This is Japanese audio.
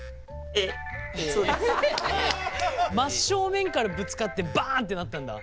真正面からぶつかってバンってなったんだ。